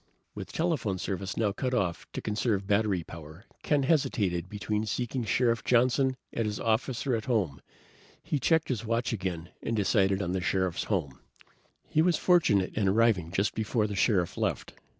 With telephone service now cut off to conserve battery power, Ken hesitated between seeking Sheriff Johnson at his office or at home. He checked his watch again and decided on the Sheriff's home. He was fortunate in arriving just before the Sheriff left.